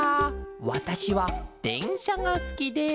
わたしはでんしゃがすきです」。